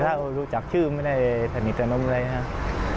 ถ้ารู้จักชื่อไม่ได้สนิทสนมอะไรครับ